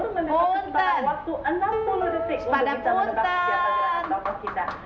sekitar enam puluh detik untuk kita menerapkan siapa diri toko kita